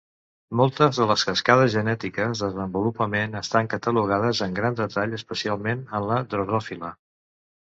Moltes de les cascades genètiques desenvolupament estan catalogades en gran detall, especialment en la drosòfila.